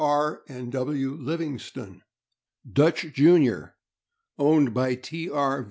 R. and W. Living stone; Dutch, Jr., owned by T. R.